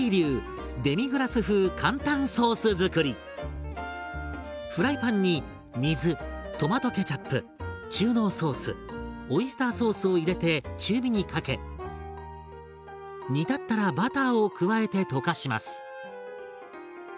続いてフライパンに水トマトケチャップ中濃ソースオイスターソースを入れて中火にかけ煮立ったらバターを加えて溶かします。